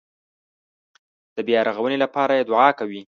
د بیارغونې لپاره یې دعا کوي.